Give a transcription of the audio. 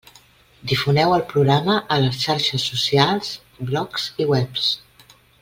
Difoneu el programa a les xarxes socials, blogs i webs.